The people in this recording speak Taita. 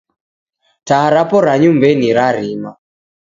Taa rapo ra nyumbanyi rarima